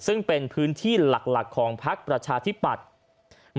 ซึ่งเป็นพื้นที่หลักของพักประชาธิปัตย์